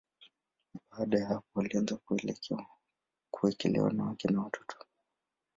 Baada ya hapo, walianza kuelekea wanawake na watoto.